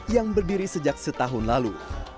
yang berdiri sejak setahun lalu